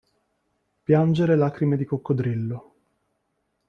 Piangere lacrime di coccodrillo.